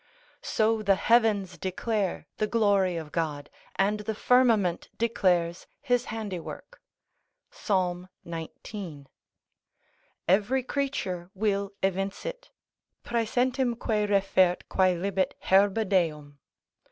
So the heavens declare the glory of God, and the firmament declares his handy work, Psalm xix. Every creature will evince it; Praesentemque refert quaelibet herba deum.